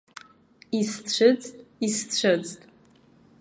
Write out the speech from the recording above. Исцәыӡт, исцәыӡт!